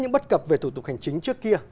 những bất cập về thủ tục hành chính trước kia